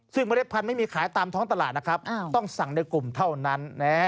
ซึ่งเมล็ดพันธุ์ไม่มีขายตามท้องตลาดนะครับต้องสั่งในกลุ่มเท่านั้น